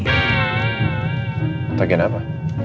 takut lagi apa